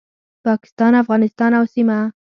پاکستان، افغانستان او سیمه